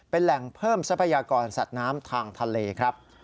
เป็นแหล่งเพิ่มทรัพยากรสัตว์น้ำทางทะเลครับ